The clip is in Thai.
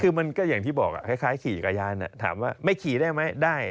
คือมันก็อย่างที่บอกคล้ายขี่จักรยานถามว่าไม่ขี่ได้ไหมได้